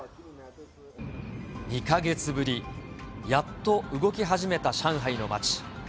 ２か月ぶり、やっと動き始めた上海の街。